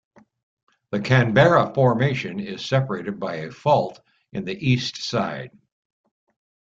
The Canberra Formation is separated by a fault in the east side.